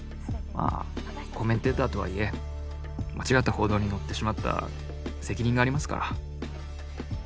まぁコメンテーターとはいえ間違った報道に乗ってしまった責任がありますから。